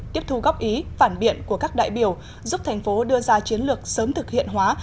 tiếp thu góp ý phản biện của các đại biểu giúp thành phố đưa ra chiến lược sớm thực hiện hóa